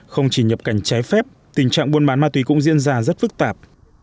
không chỉ nhập cảnh trái phép tình trạng buôn bán ma túy cũng diễn ra rất phức tạp